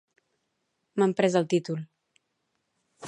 M'han pres el títol